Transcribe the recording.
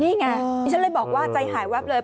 นี่ไงดิฉันเลยบอกว่าใจหายแวบเลย